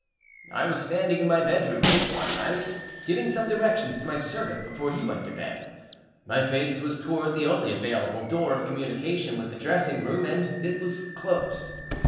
I was standing in my bedroom late one night, giving some directions to my servant before he went to bed. My face was towards the only available door of communication with the dressing room, and it was closed.